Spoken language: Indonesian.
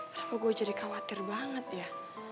kalau gue jadi khawatir banget ya